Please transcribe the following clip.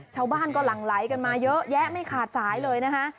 ชาวบ้านก็หลั่งไหลกันมาเยอะแยะไม่ขาดสายเลยนะคะ